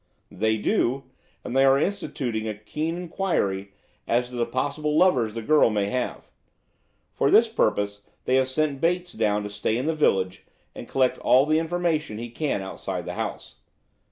"They do, and they are instituting a keen enquiry as to the possible lovers the girl may have. For this purpose they have sent Bates down to stay in the village and collect all the information he can outside the house.